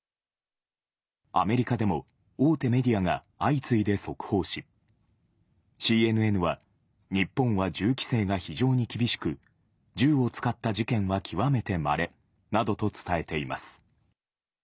アメリカでも大手メディアが相次いで速報し、ＣＮＮは、日本は銃規制が非常に厳しく、銃を使った事件は極めてまれなどと伝えています。